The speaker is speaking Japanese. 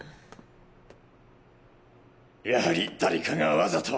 やはり誰かがわざと。